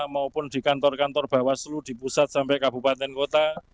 maupun di kantor kantor bawaslu di pusat sampai kabupaten kota